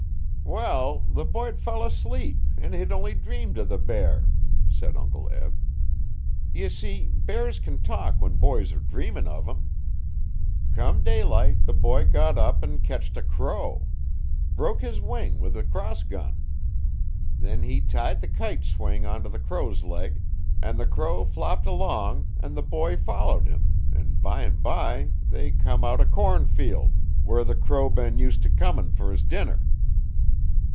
'Wall, the boy 'd fell asleep an' he'd only dreamed o' the bear,' said Uncle Eb. 'Ye see, bears can talk when boys are dreamin' uv 'em. Come daylight, the boy got up 'n ketched a crow. Broke his wing with the cross gun. Then he tied the kite swing on t' the crow's leg, an' the crow flopped along 'n the boy followed him 'n bime bye they come out a cornfield, where the crow'd been used t' comin' fer his dinner.'